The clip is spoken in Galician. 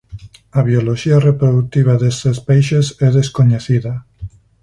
A bioloxía reprodutiva destes peixes é descoñecida.